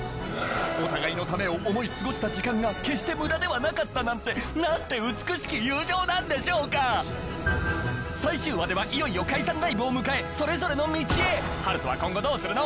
お互いのためを思い過ごした時間が決して無駄ではなかったなんて何て美しき友情なんでしょうか最終話ではいよいよ解散ライブを迎えそれぞれの道へ春斗は今後どうするの？